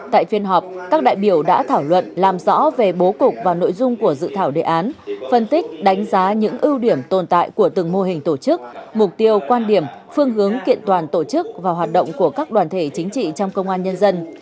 tại phiên họp các đại biểu đã thảo luận làm rõ về bố cục và nội dung của dự thảo đề án phân tích đánh giá những ưu điểm tồn tại của từng mô hình tổ chức mục tiêu quan điểm phương hướng kiện toàn tổ chức và hoạt động của các đoàn thể chính trị trong công an nhân dân